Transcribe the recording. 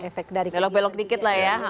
belok belok dikit lah ya